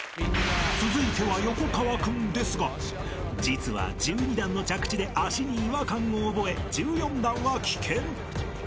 ［続いては横川君ですが実は１２段の着地で足に違和感を覚え１４段は棄権］